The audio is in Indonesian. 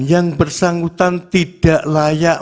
yang bersangkutan tidak layak